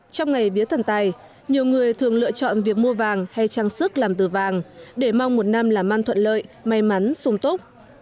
trong ngày bía thần tài nhiều người thường lựa chọn việc mua vàng hay trang sức làm từ vàng để mong một năm là man thuận lợi may mắn xung tốc